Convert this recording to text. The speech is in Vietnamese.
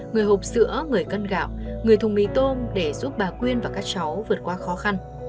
người hộp sữa người cân gạo người thùng mì tôm để giúp bà quyên và các cháu vượt qua khó khăn